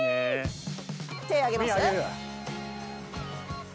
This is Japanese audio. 手上げます？